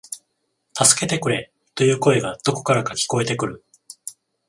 助けてくれ、という声がどこからか聞こえてくる